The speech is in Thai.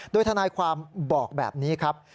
โดยทนายความบอกแบบนี้ครับ